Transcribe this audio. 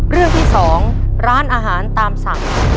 เรื่องที่๒ร้านอาหารตามสั่ง